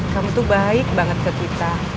kamu tuh baik banget ke kita